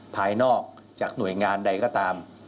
ภายนอกจากหน่วยงานใดก็ตาม